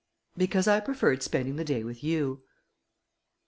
"Because I preferred spending the day with you."